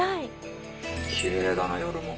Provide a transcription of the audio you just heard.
きれいだな夜も。